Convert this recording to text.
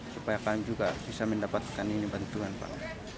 supaya kami juga bisa mendapatkan ini bantuan pak